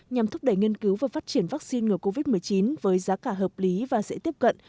nhằm thúc đẩy nghiên cứu và phát triển vaccine ngừa covid một mươi chín với giá cả hợp lý và dễ tiếp cận